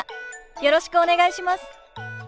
よろしくお願いします。